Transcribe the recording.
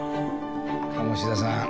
鴨志田さん